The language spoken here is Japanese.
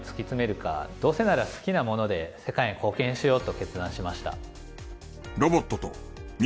どうせなら好きなもので世界に貢献しようと決断しました。